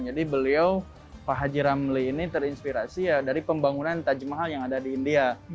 jadi beliau pak haji ramli ini terinspirasi dari pembangunan taj mahal yang ada di india